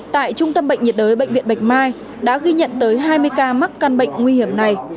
tại trung tâm bệnh nhiệt đới bệnh viện bạch mai đã ghi nhận tới hai mươi ca mắc căn bệnh nguy hiểm này